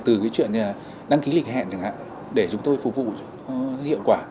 từ cái chuyện như là đăng ký lịch hẹn chẳng hạn để chúng tôi phục vụ hiệu quả